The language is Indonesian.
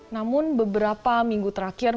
namun beberapa minggu terakhir